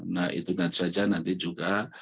nah itu kan saja nanti juga